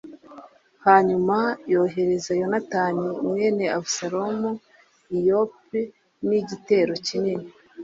hanyuma yohereza yonatani mwene abusalomu i yope n'igitero kinini